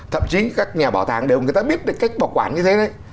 thậm chí các nhà bảo tàng đều người ta biết được cách bảo quản như thế đấy